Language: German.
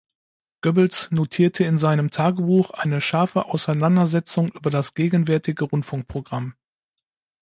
Goebbels notierte in seinem Tagebuch eine „scharfe Auseinandersetzung über das gegenwärtige Rundfunkprogramm.